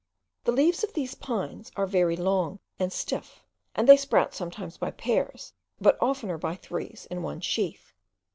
The leaves of these pines are very long and stiff, and they sprout sometimes by pairs, but oftener by threes in one sheath.